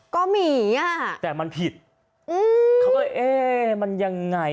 ก็หมีอ่ะแต่มันผิดอืมเขาก็เลยเอ๊ะมันยังไง